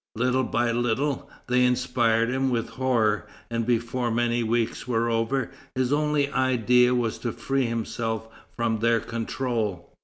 Little by little, they inspired him with horror, and before many weeks were over, his only idea was to free himself from their control.